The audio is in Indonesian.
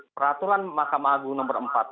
peraturan mahkamah agung nomor empat